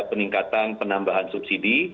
peningkatan penambahan subsidi